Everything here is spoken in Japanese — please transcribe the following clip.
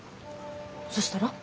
そしたら？